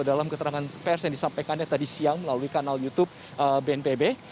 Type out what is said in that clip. dalam keterangan pers yang disampaikannya tadi siang melalui kanal youtube bnpb